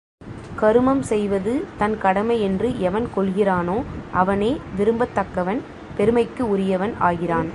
கருமம் செய்வது தன் கடமை என்று எவன் கொள்கிறானோ அவனே விரும்பத் தக்கவன் பெருமைக்கு உரியவன் ஆகிறான்.